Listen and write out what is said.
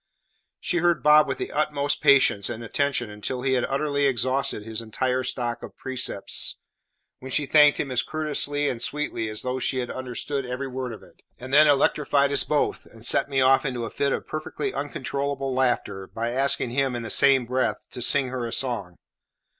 She heard Bob with the utmost patience and attention until he had utterly exhausted his entire stock of precepts, when she thanked him as courteously and sweetly as though she had understood every word of it; and then electrified us both, and set me off into a fit of perfectly uncontrollable laughter, by asking him, in the same breath, to sing her a song.